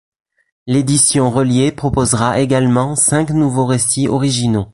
L’édition reliée proposera également cinq nouveaux récits originaux.